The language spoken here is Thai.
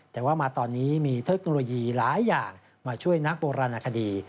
แต่ว่ามาตอนนี้มีเทคโนโลยีหลายอย่างมาช่วยนักโบราณคดี